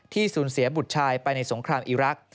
สูญเสียบุตรชายไปในสงครามอีรักษ